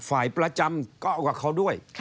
ฝ่ายประจำก็เอากับเขาด้วย